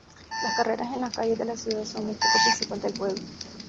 Las carreras en las calles de la ciudad son el foco principal del juego.